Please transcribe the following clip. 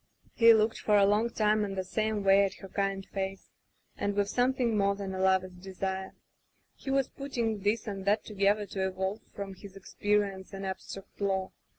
He looked for a long time in the same way at her kind face, and with something more than a lover's desire. He was putting this and that together to evolve from his experience an abstract law.